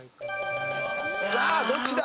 さあどっちだ？